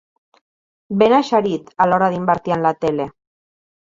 Ben eixerit a l'hora d'invertir en la tele.